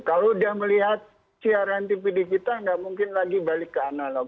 kalau sudah melihat siaran tv digital tidak mungkin lagi balik ke analog